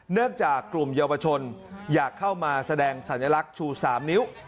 จากกลุ่มเยาวชนอยากเข้ามาแสดงสัญลักษณ์ชู๓นิ้ว